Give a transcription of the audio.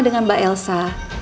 dengan mbak elsa